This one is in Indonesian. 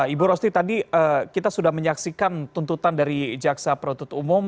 ibu rosti tadi kita sudah menyaksikan tuntutan dari jaksa penuntut umum